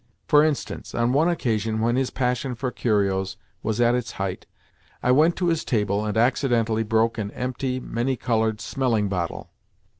For instance, on one occasion when his passion for curios was at its height, I went to his table and accidentally broke an empty many coloured smelling bottle.